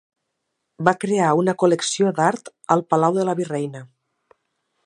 Va crear una col·lecció d'art al Palau de la Virreina.